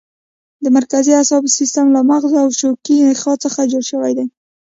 د مرکزي اعصابو سیستم له مغز او شوکي نخاع څخه جوړ شوی دی.